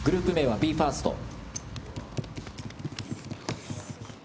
グループ名はＢＥ：ＦＩＲＳＴ。